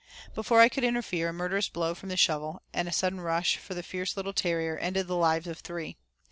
Before I could interfere, a murderous blow from the shovel, and a sudden rush for the fierce little terrier, ended the lives of three.